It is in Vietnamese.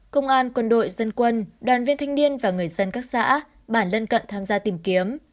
công an quân đội dân quân đoàn viên thanh niên và người dân các xã bản lân cận tham gia tìm kiếm